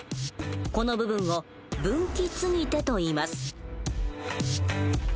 この部分を分岐継ぎ手といいます。